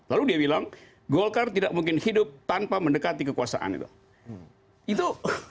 lalu dia bilang golkar tidak mungkin hidup tanpa mendekati kekuasaan itu